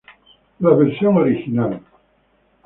La versión original.